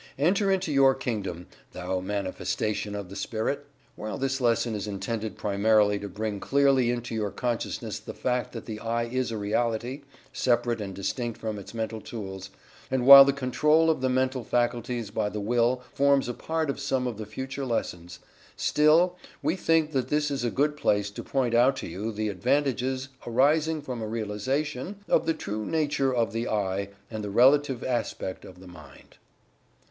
Enter into your Kingdom, thou manifestation of the Spirit! While this lesson is intended primarily to bring clearly into your consciousness the fact that the "I" is a reality, separate and distinct from its Mental Tools, and while the control of the mental faculties by the Will forms a part of some of the future lessons, still, we think that this is a good place to point out to you the advantages arising from a realization of the true nature of the "I" and the relative aspect of the Mind.